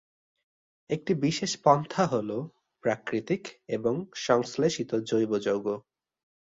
একটি বিশেষ পন্থা হল, প্রাকৃতিক এবং সংশ্লেষিত জৈব যৌগ।